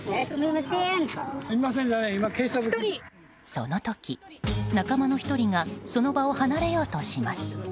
その時、仲間の１人がその場を離れようとします。